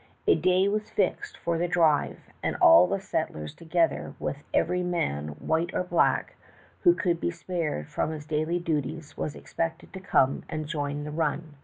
A da}" was fixed for the drive, and all the settlers together with every man, white or black, who could be spared from his daily duties, was expected to come and join in the run.